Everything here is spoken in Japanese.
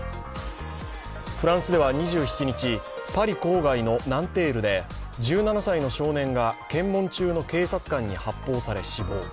フランスでは２７日パリ郊外のナンテールで１７歳の少年が検問中の警察官に発砲され死亡。